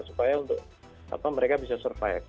supaya untuk mereka bisa survive